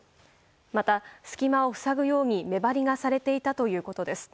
また隙間を塞ぐように目張りがされていたということです。